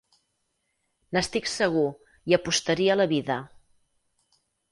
N'estic segur, hi apostaria la vida.